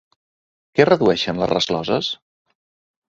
Què redueixen les rescloses?